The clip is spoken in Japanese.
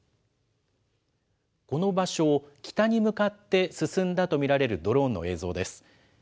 この場所を北に向かって進んだと見られるドローンの映像です。